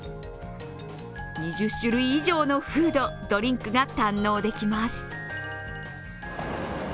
２０種類以上のフード、ドリンクが堪能できます。